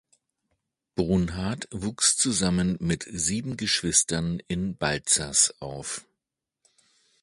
Brunhart wuchs zusammen mit sieben Geschwistern in Balzers auf.